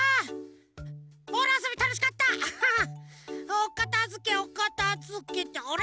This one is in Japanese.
おかたづけおかたづけってあれ？